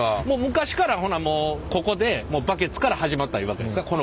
もう昔からほなもうここでバケツから始まったいうわけですか？